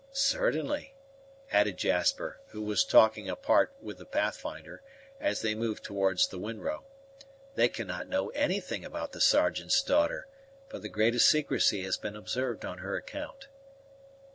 "Certainly," added Jasper, who was talking apart with the Pathfinder, as they moved towards the wind row, "they cannot know anything about the Sergeant's daughter, for the greatest secrecy has been observed on her account."